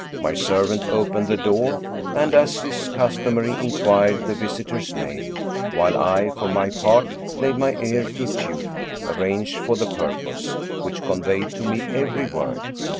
My servant opened the door, and, as is customary, inquired the visitor's name, while I, for my part, laid my ear to a tube, arranged for the purpose, which conveyed to me every word.